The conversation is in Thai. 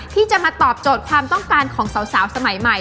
ที่จะมาตอบโจทย์ความต้องการของสาวสมัยใหม่